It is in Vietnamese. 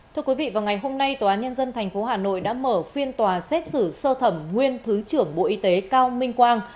thưa quý vị vào ngày hôm nay tòa án nhân dân tp hà nội đã mở phiên tòa xét xử sơ thẩm nguyên thứ trưởng bộ y tế cao minh quang